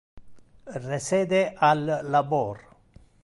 Recede al labor.